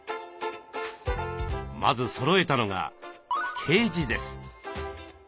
まずそろえたのがケージです。